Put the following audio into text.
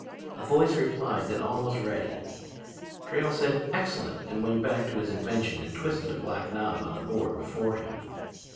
"A voice replied that all was ready. Drayle said 'Excellent,' went back to his invention and twisted a black knob on the board before him.